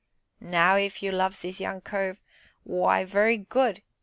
Now, if you loves this young cove, w'y, very good!